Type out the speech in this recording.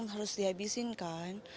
harus dihabisin kan